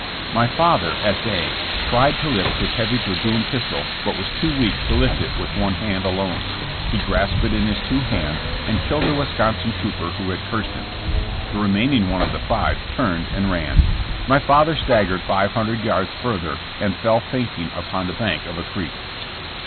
'' My father, at bay, tried to lift his heavy dragoon pistol but was too weak to lift it with one hand alone. He grasped it in his two hands and killed the Wisconsin trooper who had cursed him. The remaining one of the five turned and ran. My father staggered five hundred yards further and fell fainting upon the bank of a creek.